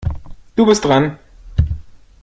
Du bist dran.